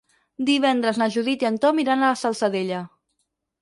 Divendres na Judit i en Tom iran a la Salzadella.